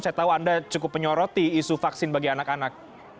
saya tahu anda cukup menyoroti isu vaksin bagi anak anak